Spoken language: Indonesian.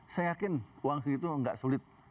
saya yakin uang segitu nggak sulit